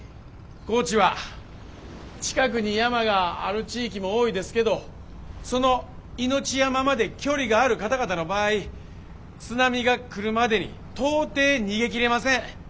高知は近くに山がある地域も多いですけどそのいのち山まで距離がある方々の場合津波が来るまでに到底逃げきれません。